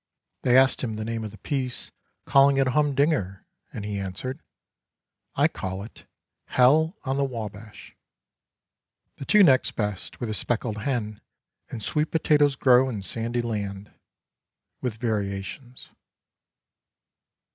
They asked him the name of the piece calling it a humdinger and he answered, " I call it ' Hell On The Wabash.' " The two next best were The Speckled Hen, and Sweet Potatoes Grow in Sandy Land, with variations.